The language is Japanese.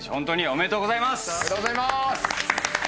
おめでとうございます！